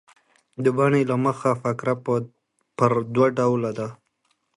د بڼي له مخه فقره پر دوه ډوله ده.